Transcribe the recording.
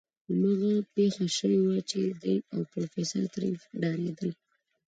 هماغه پېښه شوې وه چې دی او پروفيسر ترې ډارېدل.